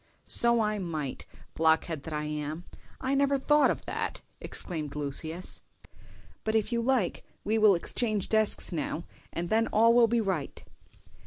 "So I might, blockhead that I am; I never thought of that!" exclaimed Lucius. "But if you like we will exchange desks now, and then all will be right.